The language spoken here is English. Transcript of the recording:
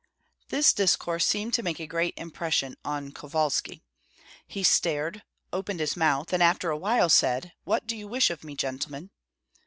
This discourse seemed to make a great impression on Kovalski. He stared, opened his mouth, and after a while said, "What do you wish of me, gentlemen?"